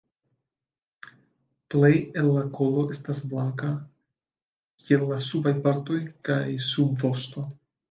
Plej el la kolo estas blanka, kiel la subaj partoj kaj subvosto.